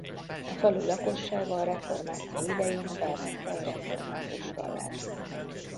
A falu lakossága a reformáció idején felvette a református vallást.